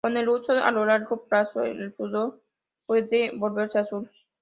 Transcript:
Con el uso a largo plazo, el sudor puede volverse azul.